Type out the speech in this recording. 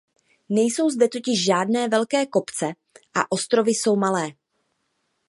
Nejsou zde totiž žádné velké kopce a ostrovy jsou malé.